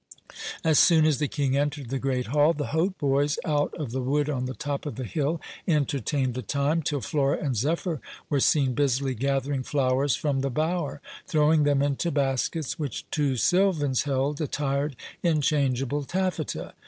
As soon as the king entered the great hall, the hautboys, out of the wood on the top of the hill, entertained the time, till Flora and Zephyr were seen busily gathering flowers from the bower, throwing them into baskets which two silvans held, attired in changeable taffeta.